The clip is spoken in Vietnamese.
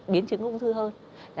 biến trứng ung thư hơn